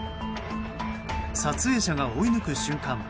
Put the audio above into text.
撮影者が追い抜く瞬間